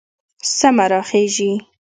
سمه راخېژي